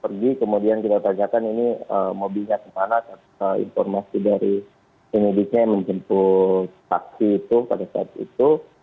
pergi kemudian kita tanyakan ini mobilnya kemana informasi dari penyidiknya yang menjemput saksi itu pada saat itu